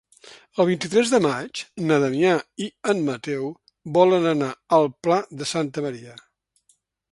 El vint-i-tres de maig na Damià i en Mateu volen anar al Pla de Santa Maria.